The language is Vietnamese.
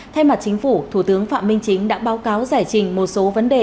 thay mặt chính phủ thủ tướng phạm minh chính đã báo cáo giải trình một số vấn đề